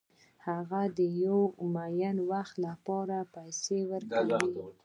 هغه د یو معین وخت لپاره پیسې ورکوي